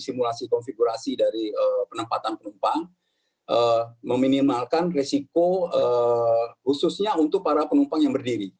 simulasi konfigurasi dari penempatan penumpang meminimalkan resiko khususnya untuk para penumpang yang berdiri